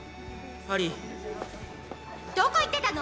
ハリーどこ行ってたの！？